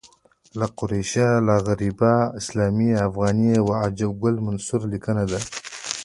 لاشرقیه لاغربیه اسلامیه افغانیه د عجب ګل منصور لیکنه ده